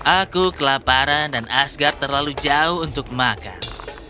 aku kelaparan dan asgard terlalu jauh untuk makan